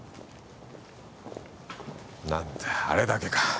なんだあれだけか。